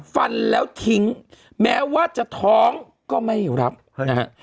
ฟันแล้วทิ้งแม้ว่าจะท้องก็ไม่รับคก์รึเหยียด